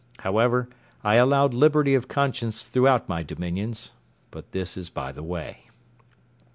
However, I allowed liberty of conscience throughout my dominions. But this is by the way.